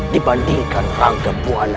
dibandingkan rangka puan